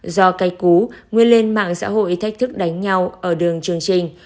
do cây cú nguyên lên mạng xã hội thách thức đánh nhau ở đường trường trình